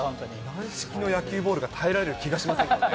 軟式の野球ボールが耐えられる気がしません。